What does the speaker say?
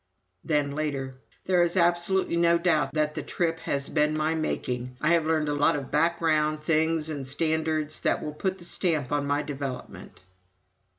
Then, later: "There is absolutely no doubt that the trip has been my making. I have learned a lot of background, things, and standards, that will put their stamp on my development."